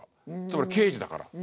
つまり刑事だから。